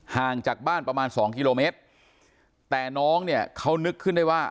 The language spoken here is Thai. ห่างจากบ้านประมาณสองกิโลเมตรแต่น้องเนี่ยเขานึกขึ้นได้ว่า